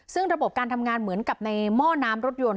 ซึ่งระบบการทำงานเหมือนกับในหม้อน้ำรถยนต์